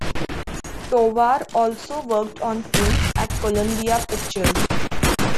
Tovar also worked on films at Columbia Pictures.